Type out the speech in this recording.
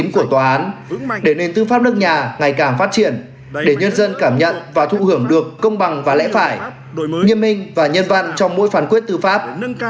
của tòa án để nền tư pháp nước nhà ngày càng phát triển để nhân dân cảm nhận và thụ hưởng được công bằng và lẽ phải đổi mới nghiêm minh và nhân văn trong mỗi phản quyết tư pháp